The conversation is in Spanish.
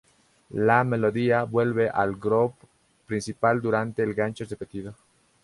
La melodía vuelve al "groove" principal durante el gancho repetido.